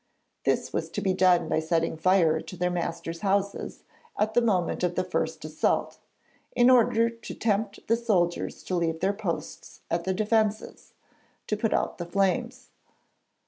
This was to be done by setting fire to their masters' houses at the moment of the first assault, in order to tempt the soldiers to leave their posts at the defences, to put out the flames.